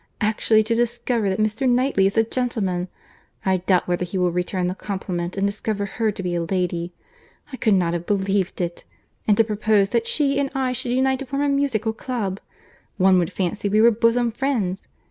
Actually to discover that Mr. Knightley is a gentleman! I doubt whether he will return the compliment, and discover her to be a lady. I could not have believed it! And to propose that she and I should unite to form a musical club! One would fancy we were bosom friends!